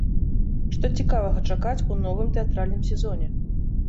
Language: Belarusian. Што цікавага чакаць у новым тэатральным сезоне?